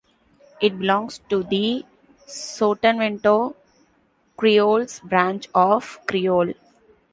It belongs to the Sotavento Creoles branch of Creole.